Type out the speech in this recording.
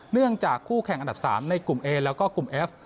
เนื่องจากคู่แข่งอันดับ๓ในกลุ่มเอแล้วก็กลุ่มเอฟ